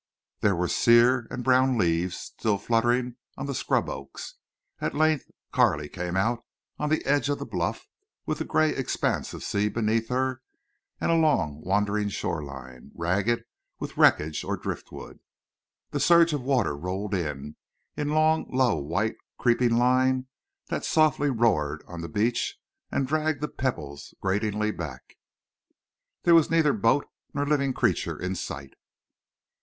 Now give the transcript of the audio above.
There were sere and brown leaves still fluttering on the scrub oaks. At length Carley came out on the edge of the bluff with the gray expanse of sea beneath her, and a long wandering shore line, ragged with wreckage or driftwood. The surge of water rolled in—a long, low, white, creeping line that softly roared on the beach and dragged the pebbles gratingly back. There was neither boat nor living creature in sight.